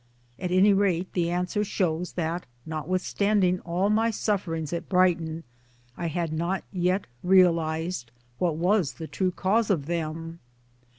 At any rate the answer shows that notwithstanding all my sufferings at Brighton I had not yet realized what was the true cause of them.